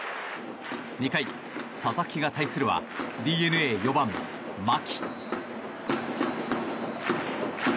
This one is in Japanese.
２回、佐々木が対するはＤｅＮＡ４番、牧。